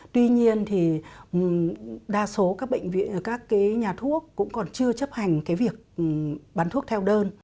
tuy nhiên thì đa số các bệnh viện các cái nhà thuốc cũng còn chưa chấp hành cái việc bán thuốc theo đơn